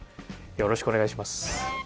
よろしくお願いします。